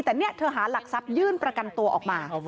แต่เนี่ยเธอหาหลักทรัพยื่นประกันตัวออกมา